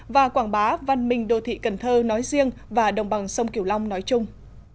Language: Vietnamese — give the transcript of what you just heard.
và quảng bá văn minh đô thị cần thơ nói riêng và đồng bằng sông kiều long nói chung